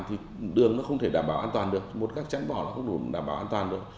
thì đường nó không thể đảm bảo an toàn được một ngác trắng bỏ nó không đủ để đảm bảo an toàn được